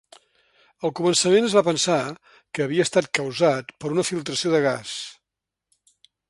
Al començament es va pensar que havia estat causat per una filtració de gas.